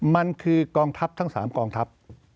มันคือกองทัพทั้ง๓กองทัพ